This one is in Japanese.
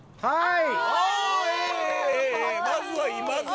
はい？